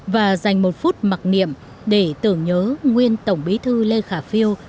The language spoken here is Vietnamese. và dành một phút mặc niệm để tưởng nhớ nguyên tổng bí thư lê khả phiêu